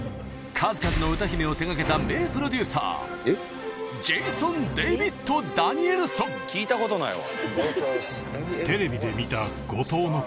数々の歌姫を手掛けた名プロデューサー聞いたことないわ。